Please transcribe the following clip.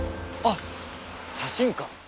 あっ写真館。